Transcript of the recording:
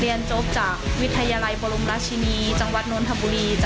เรียนจบจากวิทยาลัยบรมราชินีจังหวัดนทบุรี